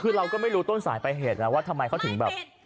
คือเราก็ไม่รู้ต้นสายไปเหตุนะว่าทำไมเขาถึงแบบ